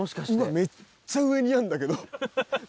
めっちゃ上にあるんだけど。